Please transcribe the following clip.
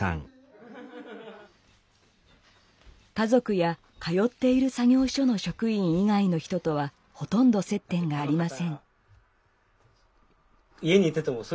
家族や通っている作業所の職員以外の人とはほとんど接点がありません。